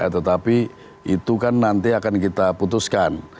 tetapi itu kan nanti akan kita putuskan